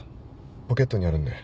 ポケットにあるんで。